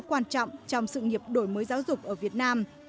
quan trọng trong sự nghiệp đổi mới giáo dục ở việt nam